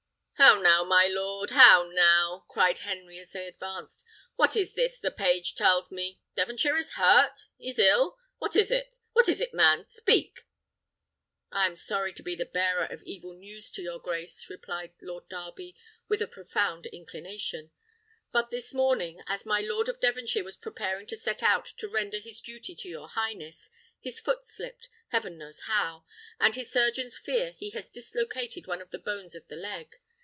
"How now, lord? how now?" cried Henry, as they advanced. "What is this the page tells me? Devonshire is hurt is ill? What is it? what is it, man? speak!" "I am sorry to be the bearer of evil news to your grace," replied Lord Darby, with a profound inclination; "but this morning, as my Lord of Devonshire was preparing to set out to render his duty to your highness, his foot slipped, heaven knows how! and his surgeons fear he has dislocated one of the bones of the leg.